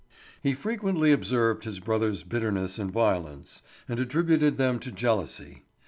He frequently observed his brother's bitterness and violence, and attributed them to jealousy.